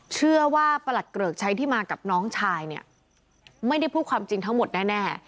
ประหลัดเกริกชัยที่มากับน้องชายเนี่ยไม่ได้พูดความจริงทั้งหมดแน่